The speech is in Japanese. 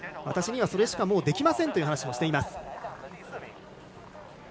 私にはそれしかもうできませんという話をしています。